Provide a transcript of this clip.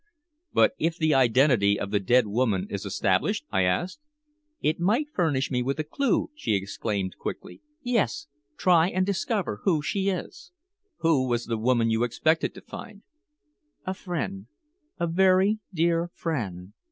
"But if the identity of the dead woman is established?" I asked. "It might furnish me with a clue," she exclaimed quickly. "Yes, try and discover who she is." "Who was the woman you expected to find?" "A friend a very dear friend."